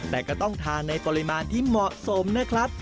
แต่ก็ต้องทานในปริมาณที่เหมาะสมนะครับ